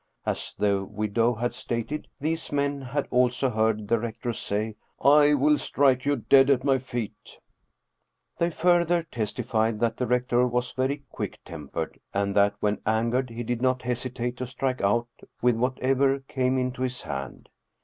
As the widow had stated, these men had also heard the rector say, "I will strike you dead at my feet !" They further testified that the rector was very quick tempered, and that when angered he did not hesitate to strike out with whatever came into his hand.